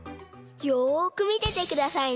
よくみててくださいね。